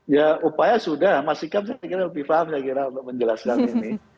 ya upaya sudah mas hikam saya kira lebih paham untuk menjelaskan ini